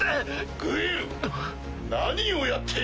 グエル何をやっている！